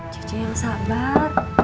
cucu yang sabar